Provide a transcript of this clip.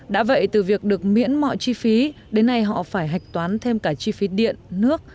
đã vậy từ việc được miễn mọi chi phí đến nay họ phải hạch toán thêm cả chi phí điện nước